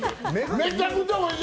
めちゃくちゃおいしい。